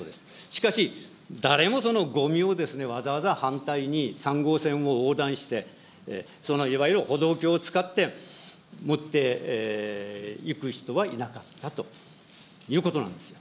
しかし、誰もそのごみをわざわざ反対に３号線を横断して、いわゆる歩道橋を使って持っていく人はいなかったということなんです。